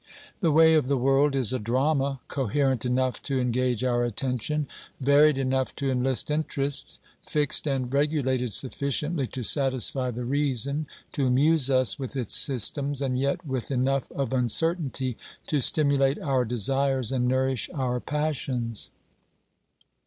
The way of the world is a drama coherent enough to en gage our attention, varied enough to enlist interest, fixed and regulated sufficiently to satisfy the reason, to amuse us with its systems, and yet with enough of uncertainty to stimulate our desires and nourish our passions.